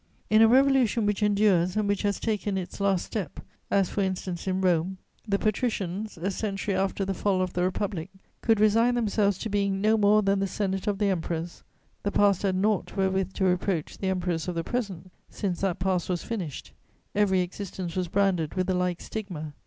In a revolution which endures and which has taken its last step, as for instance in Rome, the Patricians, a century after the fall of the Republic, could resign themselves to being no more than the Senate of the Emperors; the past had nought wherewith to reproach the Emperors of the present, since that past was finished; every existence was branded with a like stigma.